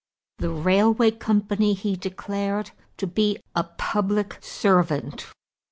The railway company he declared to be a public servant.